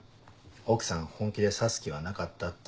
奥さん本気で刺す気はなかったって。